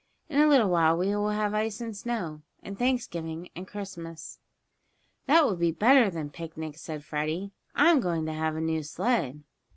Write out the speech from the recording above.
In a little while we will have ice and snow, and Thanksgiving and Christmas." "That will be better than picnics," said Freddie. "I'm going to have a new sled."